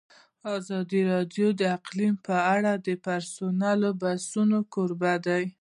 ازادي راډیو د اقلیم په اړه د پرانیستو بحثونو کوربه وه.